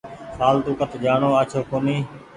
ڦآلتو ڪٺ جآڻو آڇو ڪونيٚ۔